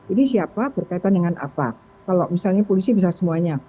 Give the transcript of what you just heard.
ini siapa berkaitan dengan apa kalau misalnya polisi bisa semuanya